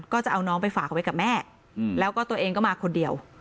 ก็จะเอาน้องไปฝากไว้กับแม่แล้วก็ตัวเองก็มาคนเดียว